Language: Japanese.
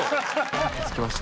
着きました。